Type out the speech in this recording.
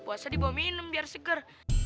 puasa di bawah minum biar seger